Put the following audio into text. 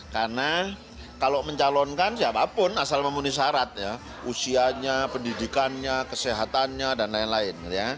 karena kalau mencalonkan siapapun asal memenuhi syarat usianya pendidikannya kesehatannya dan lain lain